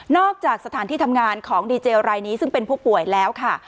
จากสถานที่ทำงานของดีเจรายนี้ซึ่งเป็นผู้ป่วยแล้วค่ะ